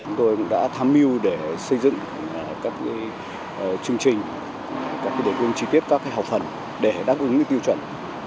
chúng tôi đã tham mưu để xây dựng các chương trình các đối tượng trí tiết các học phần để đáp ứng những tiêu chuẩn